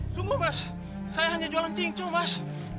sungguh mas saya hanya jualan tingco mas